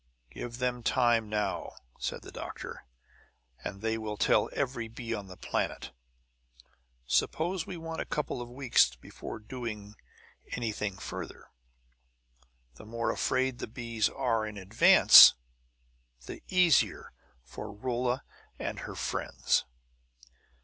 "Give them time now," said the doctor, "and they will tell every bee on the planet. Suppose we want a couple of weeks before doing anything further? The more afraid the bees are in advance, the easier for Rolla and her friends."